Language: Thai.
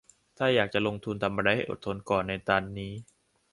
ถ้าอยากจะลงทุนทำอะไรให้อดทนก่อนในตอนนี้